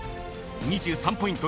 ［２３ポイント